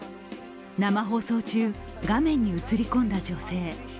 生放送中、画面に映り込んだ女性。